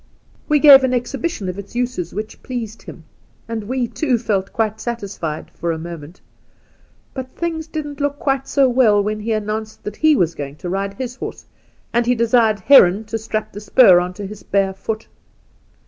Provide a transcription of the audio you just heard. We gave an exhibition of its uses which pleased him, and we, too, felt quite satisfied — ^for a moment ! But things didn't look quite so well when he announced that he was going to ride his horse, and he desired Heron to strap the spur on to his bare foot.